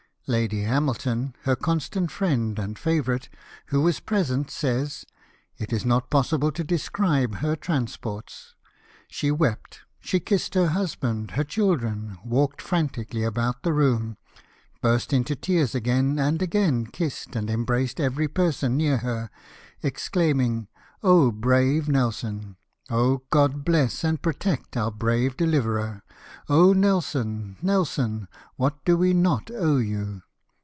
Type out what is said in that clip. Lady Hamilton, her constant friend and favourite, who was present, says, " It is not possible to describe her transports ; she wept, she kissed her husband, her children, walked frantically about the room, burst into tears again, and again kissed and embraced every person near her, exclaiming, ' brave Nelson ! God, bless and protect our brave deliverer ! Nelson ! Nelson ! what do we not owe you